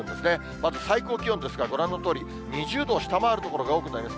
まず最高気温ですが、ご覧のとおり、２０度を下回る所が多くなります。